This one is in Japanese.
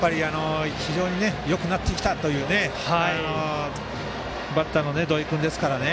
非常によくなってきたというバッターの土井君ですからね。